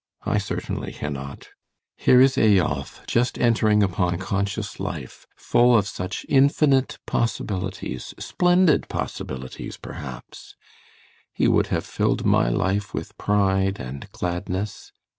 I certainly cannot. [More gently.] Here is Eyolf, just entering upon conscious life: full of such infinite possibilities splendid possibilities perhaps: he would have filled my life with pride and gladness.